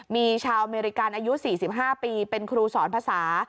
มีชาวอเมริกันอายุ๔๕ปีเป็นครูสอนภาษา